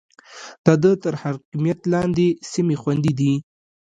د ده تر حاکميت لاندې سيمې خوندي دي.